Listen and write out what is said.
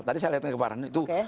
tadi saya lihatnya ke farhan itu